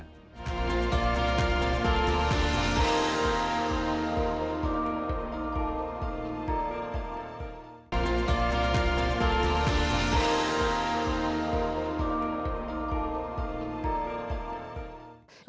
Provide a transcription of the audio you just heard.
jadi kita juga memberikan informasi